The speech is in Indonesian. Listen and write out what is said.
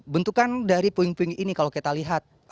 bentukan dari poin poin ini kalau kita lihat